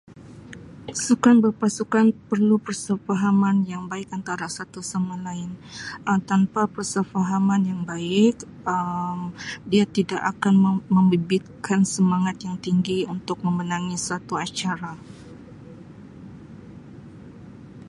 Sukan berpasukan perlu persepahaman yang baik antara satu sama lain Um tanpa persefahaman yang baik Um dia tidak akan mem-membibitkan semangat yang tinggi untuk memenangi suatu acara.